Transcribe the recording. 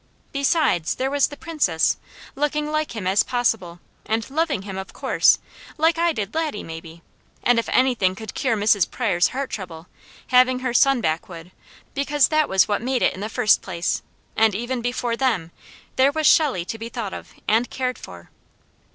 Besides, there was the Princess, looking like him as possible, and loving him of course, like I did Laddie, maybe. And if anything could cure Mrs. Pryor's heart trouble, having her son back would, because that was what made it in the first place, and even before them, there was Shelley to be thought of, and cared for.